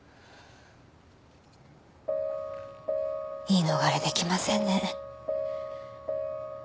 言い逃れできませんね。